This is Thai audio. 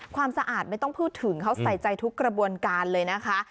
ความสะอาดไม่ต้องพูดถึงเขาใส่ใจทุกกระบวนการเลยนะคะ